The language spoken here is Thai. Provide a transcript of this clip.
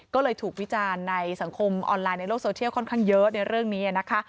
ก็เลยถูกวิจารณ์ในสังคมออนไลน์ในโลกโซเชียลค่อนข้างเยอะในเรื่องนี้นะคะ